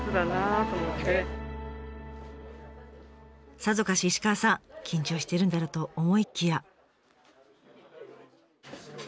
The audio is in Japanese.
さぞかし石川さん緊張してるんだろうと思いきや。